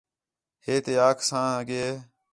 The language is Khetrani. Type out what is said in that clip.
ہے تے آکھساں کہ